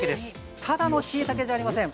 ただのしいたけじゃありません。